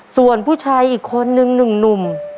ส่วนผู้ชายอีกคนนึงหนุ่ม